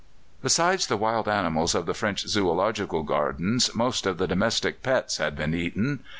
Besides the wild animals of the French Zoological Gardens, most of the domestic pets had been eaten.